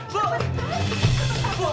bu jangan bu